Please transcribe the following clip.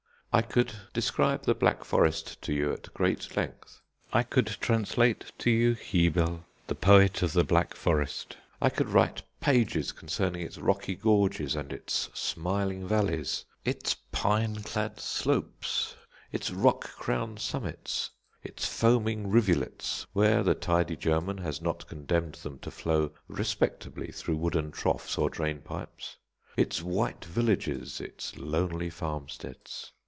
I could describe the Black Forest to you at great length. I could translate to you Hebel, the poet of the Black Forest. I could write pages concerning its rocky gorges and its smiling valleys, its pine clad slopes, its rock crowned summits, its foaming rivulets (where the tidy German has not condemned them to flow respectably through wooden troughs or drainpipes), its white villages, its lonely farmsteads.